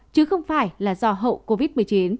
chứ không phải là do hậu covid một mươi chín